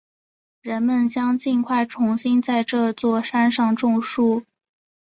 人们将尽快重新在这座山上种树。